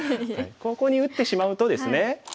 ここに打ってしまうとですね